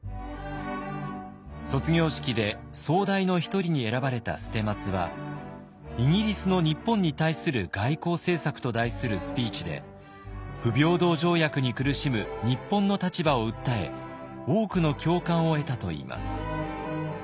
卒業式で総代の一人に選ばれた捨松は「イギリスの日本に対する外交政策」と題するスピーチで不平等条約に苦しむ日本の立場を訴え多くの共感を得たといいます。